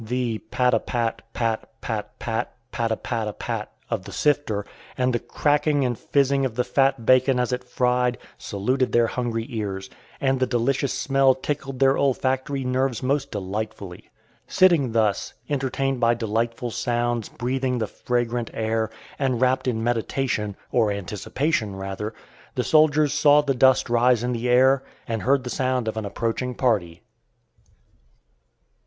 The "pat a pat, pat, pat, pat, pat a pat a pat" of the sifter, and the cracking and "fizzing" of the fat bacon as it fried, saluted their hungry ears, and the delicious smell tickled their olfactory nerves most delightfully. Sitting thus, entertained by delightful sounds, breathing the fragrant air, and wrapped in meditation, or anticipation rather, the soldiers saw the dust rise in the air, and heard the sound of an approaching party.